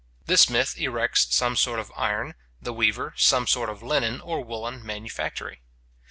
The smith erects some sort of iron, the weaver some sort of linen or woollen manufactory.